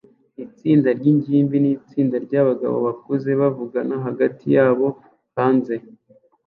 Itsinda ryingimbi nitsinda ryabagabo bakuze bavugana hagati yabo hanze